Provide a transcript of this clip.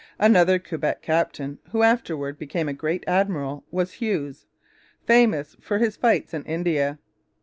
Another Quebec captain who afterwards became a great admiral was Hughes, famous for his fights in India.